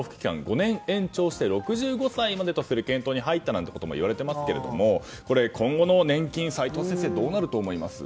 ５年延長して６５歳までとする検討に入ったと言われていますがこれ、今後の年金は齋藤先生、どうなると思います？